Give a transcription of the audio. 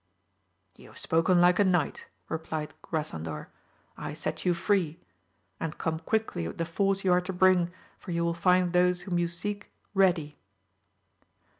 You have spoken like a knight, replied Grasandor, I set you free ! and come quickly with the force you are to bring, for you will find those whom you seek, ready.